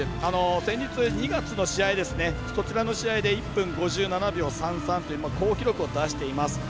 先日２月の試合で１分５７秒３３という好記録を出しています。